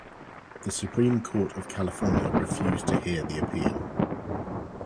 The Supreme Court of California refused to hear the appeal.